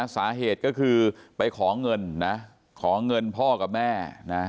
สาเหตุก็คือไปขอเงินนะขอเงินพ่อกับแม่นะ